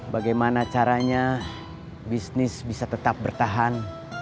bagaimana caranya bisnis bisa tetap bertahan